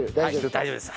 大丈夫です。